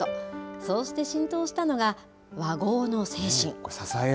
そうして浸透したのが、和合の精神。